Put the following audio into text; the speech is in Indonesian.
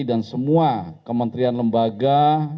dan semua kementrian lembaga